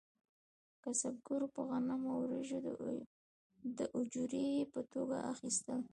کسبګرو به غنم او وریجې د اجورې په توګه اخیستل.